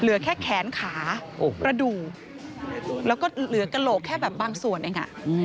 เหลือแค่แขนขากระดูกแล้วก็เหลือกระโหลกแค่แบบบางส่วนเอง